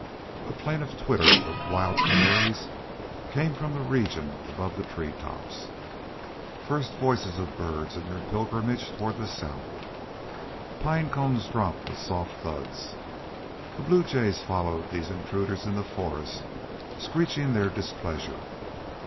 A plaintive twitter of wild canaries came from the region above the treetops first voices of birds in their pilgrimage toward the south. Pine cones dropped with soft thuds. The blue jays followed these intruders in the forest, screeching their displeasure.